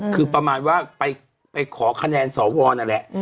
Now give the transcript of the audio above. คือประมาณว่าไปขอคะแนนสวนั่นแหละ